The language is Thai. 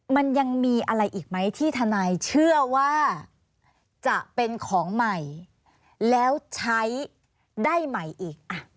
มันยังมีอะไรอีกไหมที่ทนายเชื่อว่าจะเป็นของใหม่แล้วใช้ได้ใหม่อีก